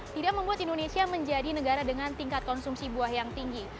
tidak membuat indonesia menjadi negara dengan tingkat konsumsi buah yang tinggi